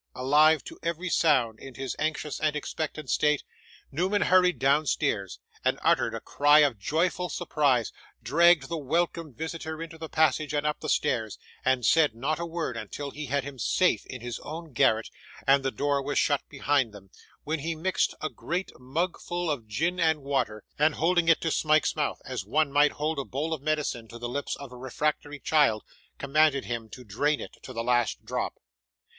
Alive to every sound, in his anxious and expectant state, Newman hurried downstairs, and, uttering a cry of joyful surprise, dragged the welcome visitor into the passage and up the stairs, and said not a word until he had him safe in his own garret and the door was shut behind them, when he mixed a great mug full of gin and water, and holding it to Smike's mouth, as one might hold a bowl of medicine to the lips of a refractory child, commanded him to drain it to the last drop.